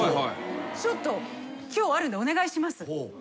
ちょっと今日あるんでお願いします。